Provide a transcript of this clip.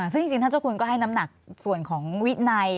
จริงถ้าคุณก็ให้น้ำหนักส่วนของวิดไน